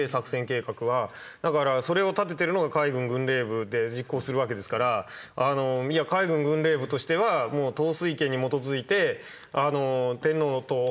だからそれを立ててるのが海軍軍令部で実行するわけですから海軍軍令部としては統帥権に基づいて天皇とお話をしてですね